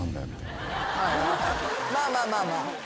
まあまあまあまあ。